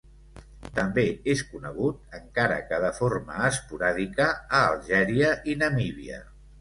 També és conegut, encara que de forma esporàdica, a Algèria i Namíbia.